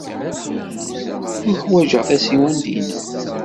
Ur ḥwajeɣ tasiwant-nnem.